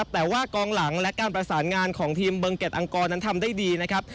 แต่ว่ากองหลังและการประสานงานของทีมเบิงเกรดอังกรนั้นทำได้ดีนะครับ